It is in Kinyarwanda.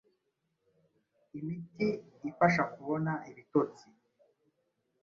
imiti ifasha kubona ibitotsi